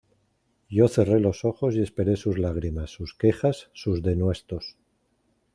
yo cerré los ojos y esperé sus lágrimas, sus quejas, sus denuestos